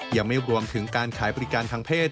ยังไม่รวมถึงการขายบริการทางเพศ